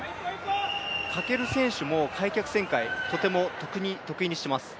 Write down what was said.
翔選手も開脚旋回、とても得意にしています。